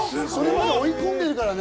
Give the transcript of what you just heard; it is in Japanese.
追い込んでるからね。